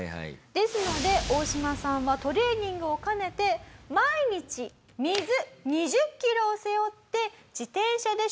ですのでオオシマさんはトレーニングを兼ねて毎日水２０キロを背負って自転車で出勤をする事にしました。